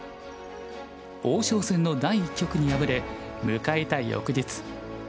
王将戦の第１局に敗れ迎えた翌日。